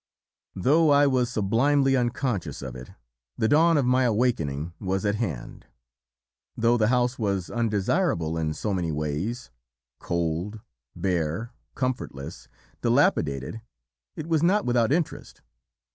"Though I was sublimely unconscious of it, the dawn of my awakening was at hand. "Though the house was undesirable in so many ways cold, bare, comfortless, dilapidated it was not without interest.